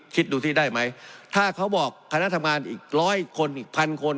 คิดดูสิได้ไหมถ้าเขาบอกคณะทำงานอีกร้อยคนอีกพันคน